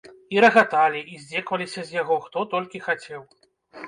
І рагаталі, і здзекаваліся з яго, хто толькі хацеў.